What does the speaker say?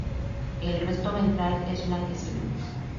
El resto ventral es blanquecino.